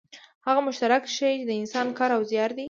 هغه مشترک شی د انسان کار او زیار دی